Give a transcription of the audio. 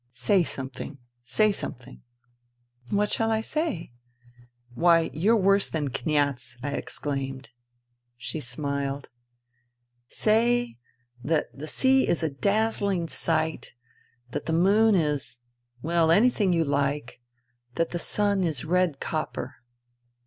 " Say something ! Say something !"" What shall I say ?"" Why, you're worse than Kniaz !" I exclaimed. She smiled. " Say that the sea is a dazzling sight, that the moon is ... well, anything you like, that the sun is red copper.'